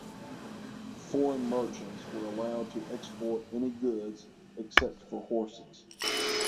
Foreign merchants were allowed to export any goods except for horses.